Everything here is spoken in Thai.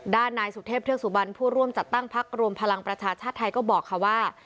นายสุเทพเทือกสุบันผู้ร่วมจัดตั้งพักรวมพลังประชาชาติไทยก็บอกค่ะว่า